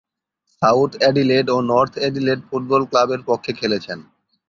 South Adelaide ও North Adelaide football ক্লাবের পক্ষে খেলেছেন।